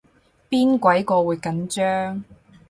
邊鬼個會緊張